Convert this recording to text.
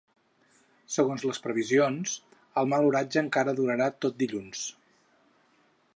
Segons les previsions, el mal oratge encara durarà tot dilluns.